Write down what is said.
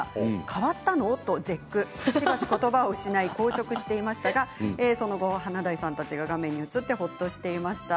変わったの？としばし硬直していましたがその後、華大さんが画面に映ってほっとしていました。